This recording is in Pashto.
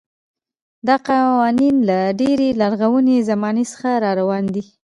دا قوانین له ډېرې لرغونې زمانې څخه راروان دي.